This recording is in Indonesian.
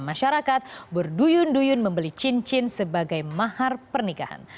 masyarakat berduyun duyun membeli cincin sebagai mahar pernikahan